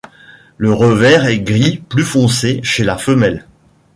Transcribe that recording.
Le revers est gris, plus foncé chez la femelle.